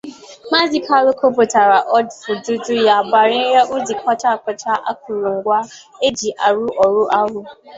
Maazị Kallon kwupụtàrà afọojuju ya banyere ụdị kpọcha-kpọcha akụrụngwa e ji arụ ọrụ ahụ